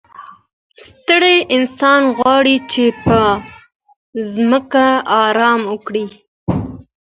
ستړی انسان غواړي چي په ځمکه ارام وکړي.